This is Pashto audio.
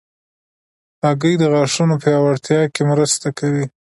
هګۍ د غاښونو پیاوړتیا کې مرسته کوي.